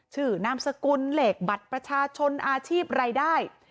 นามสกุลเลขบัตรประชาชนอาชีพรายได้